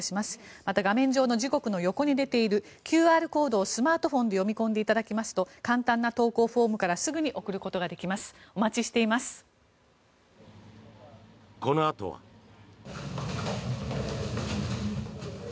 また、画面上の時刻の横に出ているＱＲコードをスマートフォンで読み込んでいただきますと簡単な投稿フォームからすぐに送ることができます。